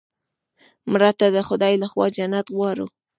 مړه ته د خدای له خوا جنت غواړو